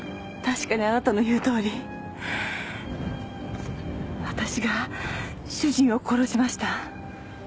確かにあなたの言うとおり私が主人を殺しました。